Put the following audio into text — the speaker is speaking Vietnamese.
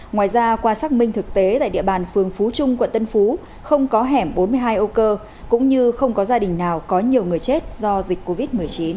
ngoài ra qua xác minh thực tế tại địa bàn phường phú trung quận tân phú không có hẻm bốn mươi hai âu cơ cũng như không có gia đình nào có nhiều người chết do dịch covid một mươi chín